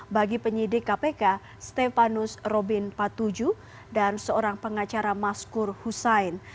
bagi penyidik kpk stefanus robin patuju dan seorang pengacara maskur hussein